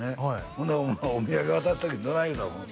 ほんでお土産渡す時どない言うた思う？